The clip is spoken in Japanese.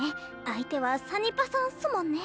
相手はサニパさんすもんね。